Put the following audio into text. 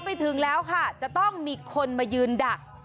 ไปถึงแล้วค่ะจะต้องมีคนมายืนดัก